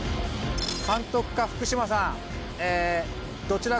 監督か福島さん。